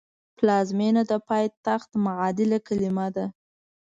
پلازمېنه د پایتخت معادل کلمه ده